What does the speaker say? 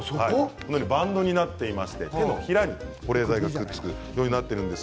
バンドになっていまして手のひらに保冷剤がくっつくようになっているんです。